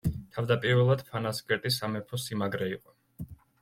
თავდაპირველად ფანასკერტი სამეფო სიმაგრე იყო.